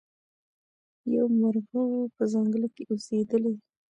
یو مرغه وو په ځنګله کي اوسېدلی